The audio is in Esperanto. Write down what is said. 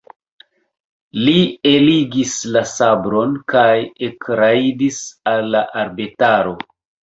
Li eligis la sabron kaj ekrajdis al la arbetaro.